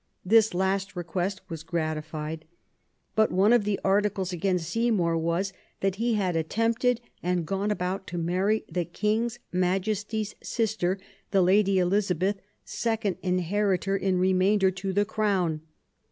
This last request was gratified. But one of the articles against Seymour was that he had " attempted and gone about to marry the King's Majesty's sister, the Lady Elizabeth, second inheritor in remainder to the Crown